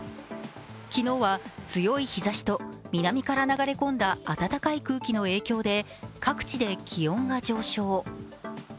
昨日は強い日ざしと南から流れ込んだ暖かい空気の影響で各地で気温が上昇。